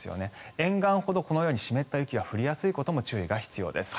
沿岸ほどこのように湿った雪が降りやすいことも注意が必要です。